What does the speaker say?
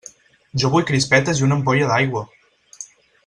Jo vull crispetes i una ampolla d'aigua!